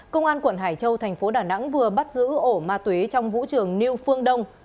công an quận hải châu thành phố đà nẵng vừa bắt giữ ổ ma túy trong vũ trường new phương đông